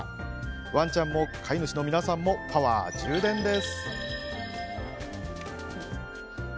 ワンちゃんも飼い主の皆さんもパワー充電です。